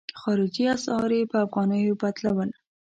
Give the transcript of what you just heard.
خارجي اسعار یې په افغانیو بدلول.